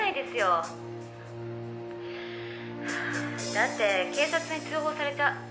「だって警察に通報されちゃう。